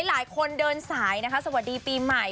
หลายคนเดินสายนะคะสวัสดีปีใหม่